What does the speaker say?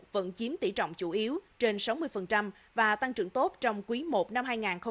vẫn chiếm tỷ trọng chủ yếu trên sáu mươi và tăng trưởng tốt trong quý i năm hai nghìn hai mươi